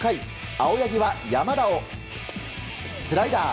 青柳は、山田をスライダー。